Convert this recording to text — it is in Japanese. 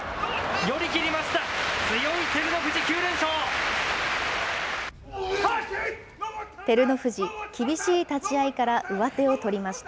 寄り切りました。